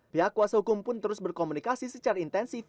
pihak kuasa hukum pun terus berkomunikasi secara intensif